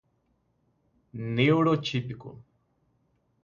neuroatípico